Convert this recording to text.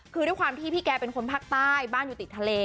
คือด้วยความที่พี่แกเป็นคนภาคใต้บ้านอยู่ติดทะเล